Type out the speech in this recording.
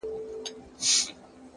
پوهه د ذهن کړکۍ پرانیزي،